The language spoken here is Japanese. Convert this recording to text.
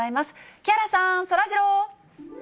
木原さん、そらジロー。